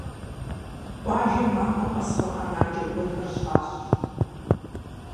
Къуажэм махуэ къэс къурӀэнаджэ гуэрхэр щащӀырт.